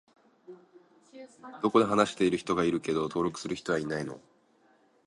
どこかで話している人がいるけど登録する人いないの？